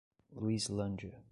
Luislândia